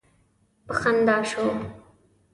په خندا شو.